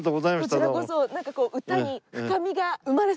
こちらこそ。